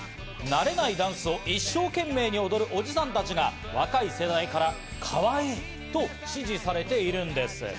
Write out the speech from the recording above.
慣れないダンスを一生懸命に踊るおじさんたちが若い世代からかわいいと支持されているんです。